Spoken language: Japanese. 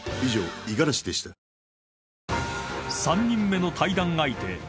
［３人目の対談相手